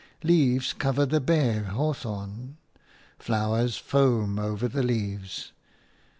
Leaves cover the bare hawthorn; flowers foam over the leaves.